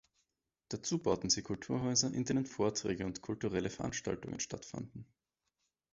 Dazu bauten sie Kulturhäuser, in denen Vorträge und kulturelle Veranstaltungen stattfanden.